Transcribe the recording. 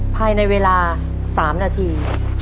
ภายในเวลา๓นาที